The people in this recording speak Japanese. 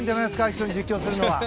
一緒に実況するのは。